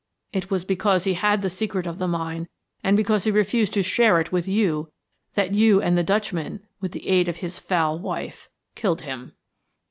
It was because he had the secret of the mine and because he refused to share it with you that you and the Dutchman, with the aid of his foul wife, killed him."